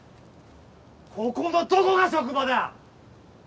ここのどこが職場だ！